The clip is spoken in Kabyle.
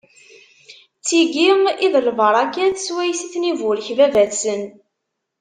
D tigi i d lbaṛakat swayes i ten-iburek baba-tsen.